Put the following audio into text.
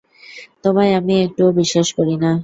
তোমায় আমি একটুও বিশ্বাস করি না।